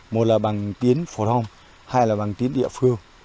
một là bằng tiếng phổ thông hai là bằng tiếng địa phương